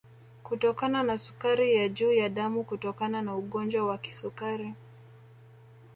Kutokana na sukari ya juu ya damu kutokana na ugonjwa wa kisukari